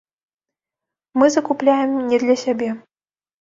Мы закупляем не для сябе.